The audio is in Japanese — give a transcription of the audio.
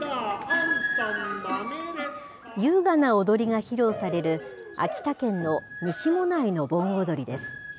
優雅な踊りが披露される秋田県の西馬音内の盆踊です。